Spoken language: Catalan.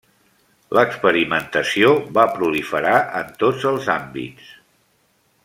L'experimentació va proliferar en tots els àmbits.